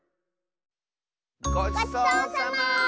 ごちそうさま！